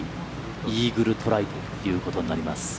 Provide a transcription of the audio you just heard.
イーグルトライということになります。